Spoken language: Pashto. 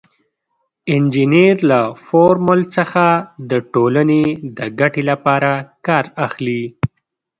انجینر له فورمول څخه د ټولنې د ګټې لپاره کار اخلي.